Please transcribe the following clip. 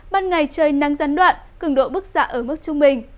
ban ngày trời nắng rắn đoạn cường độ bức giả ở mức trung bình